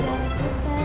gitu tuh turun